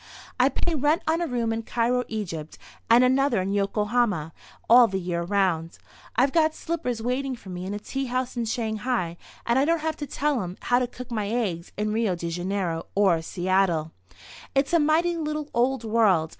I pay rent on a room in Cairo, Egypt, and another in Yokohama all the year around. I've got slippers waiting for me in a tea house in Shanghai, and I don't have to tell 'em how to cook my eggs in Rio de Janeiro or Seattle. It's a mighty little old world.